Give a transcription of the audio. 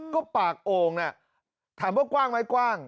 ก็ปากโอ่งน่ะถามว่ากว้างไหมกว้าง